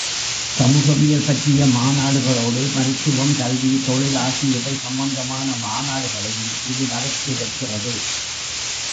சமூகவியல் பற்றிய மாநாடுகளோடு, மருத்துவம், கல்வி, தொழில் ஆகியவை சம்பந்தமான மாநாடுகளையும் இது நடத்தி வைக்கிறது.